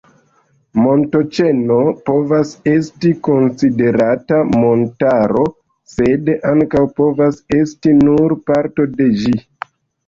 Montoĉeno povas esti konsiderata montaro, sed ankaŭ povas esti nur parto de ĝi.